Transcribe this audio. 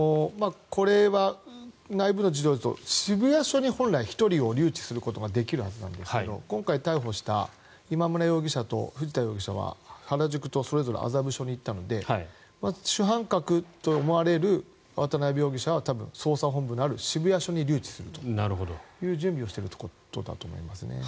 これは内部の事情だと渋谷署に本来１人を留置することができるはずなんですけど今回、逮捕した今村容疑者と藤田容疑者はそれぞれ原宿と麻布署に行ったのでまず、主犯格と思われる渡邉容疑者は、捜査本部のある渋谷署に留置するという準備をしているということだと思いますね。